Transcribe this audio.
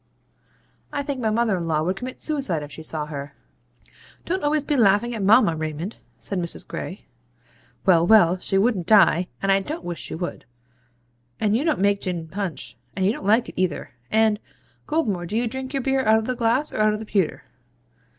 I think my mother in law would commit suicide if she saw her.' 'Don't be always laughing at mamma, Raymond,' says Mrs. Gray. 'Well, well, she wouldn't die, and I DON'T wish she would. And you don't make gin punch, and you don't like it either and Goldmore do you drink your beer out of the glass, or out of the pewter?'